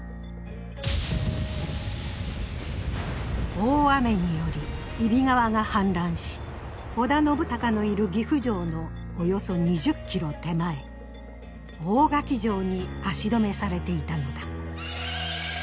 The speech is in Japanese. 大雨により揖斐川が氾濫し織田信孝のいる岐阜城のおよそ２０ｋｍ手前大垣城に足止めされていたのだ。